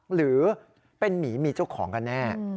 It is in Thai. หรือเป็นหมีมีเจ้าของกันแน่